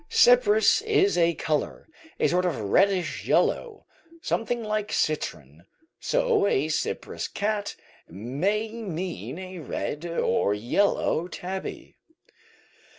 Cyprus is a colour, a sort of reddish yellow, something like citron; so a Cyprus cat may mean a red or yellow tabby.)